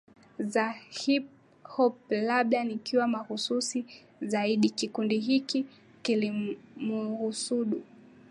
za hip hop Labda nikiwa mahususi zaidi kikundi hiki kilimuhusudu